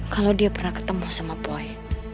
kalau dia pernah ketemu sama poi